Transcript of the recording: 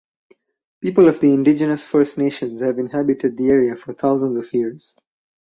People of the indigenous First Nations have inhabited the area for thousands of years.